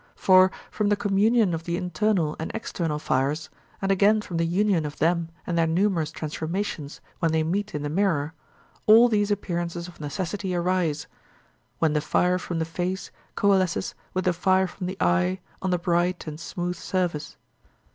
For from the communion of the internal and external fires, and again from the union of them and their numerous transformations when they meet in the mirror, all these appearances of necessity arise, when the fire from the face coalesces with the fire from the eye on the bright and smooth surface.